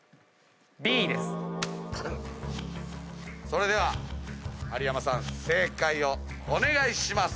それでは有山さん正解をお願いします。